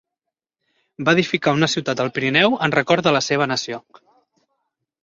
Va edificar una ciutat al Pirineu en record de la seva nació: